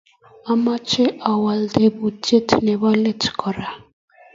Amache awal teputyet nebo let korok